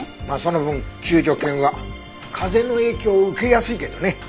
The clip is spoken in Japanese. まあその分救助犬は風の影響を受けやすいけどね。